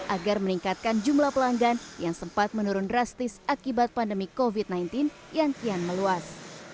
agar meningkatkan jumlah pelanggan yang sempat menurun drastis akibat pandemi covid sembilan belas yang kian meluas